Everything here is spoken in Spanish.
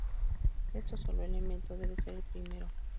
Esto solo elemento debe ser el primero.